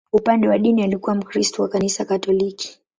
Upande wa dini, alikuwa Mkristo wa Kanisa Katoliki.